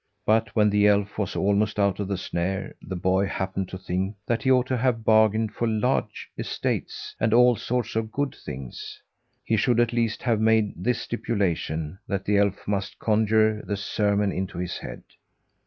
But when the elf was almost out of the snare, the boy happened to think that he ought to have bargained for large estates, and all sorts of good things. He should at least have made this stipulation: that the elf must conjure the sermon into his head.